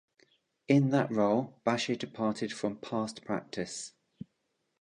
In that role, Bashir departed from past practice.